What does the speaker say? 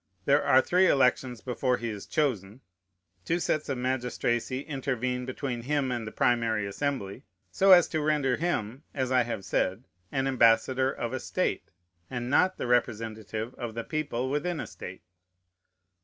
There are three elections before he is chosen; two sets of magistracy intervene between him and the primary assembly, so as to render him, as I have said, an ambassador of a state, and not the representative of the people within a state.